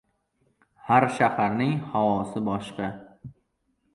Har shaharning havosi boshqa.